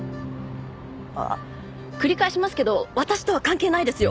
ああ繰り返しますけど私とは関係ないですよ？